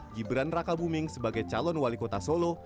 gibran raka buming sebagai calon wali kota solo